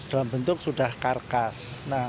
dalam bentuk sudah karkas